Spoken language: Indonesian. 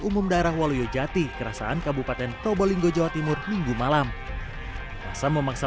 umum daerah waluyojati kerasaan kabupaten tobolinggo jawa timur minggu malam masa memaksa